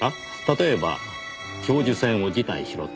例えば教授選を辞退しろと。